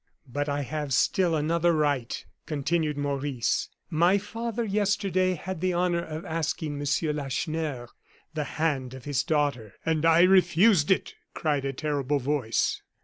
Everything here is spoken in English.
"But I have still another right," continued Maurice. "My father yesterday had the honor of asking of Monsieur Lacheneur the hand of his daughter " "And I refused it!" cried a terrible voice.